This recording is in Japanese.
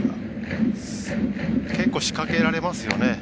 結構、仕掛けられますよね。